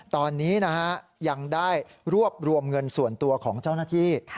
ตอนนี้ยังได้รวบรวมเงินส่วนตัวของเจ้าหน้าที่